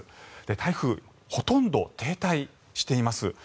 台風、ほとんど停滞しています。